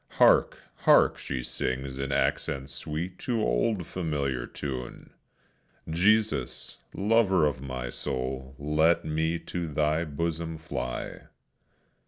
Hark! hark! she sings in accents sweet, to old familiar tune! "Jesus, lover of my soul, Let me to Thy bosom fly," etc.